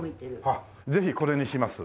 あっぜひこれにします。